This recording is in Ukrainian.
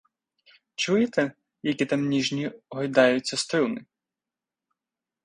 Чуєте, які там ніжні гойдаються струни?